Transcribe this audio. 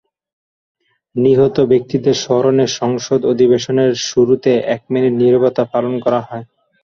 নিহত ব্যক্তিদের স্মরণে সংসদ অধিবেশনের শুরুতে এক মিনিট নীরবতা পালন করা হয়।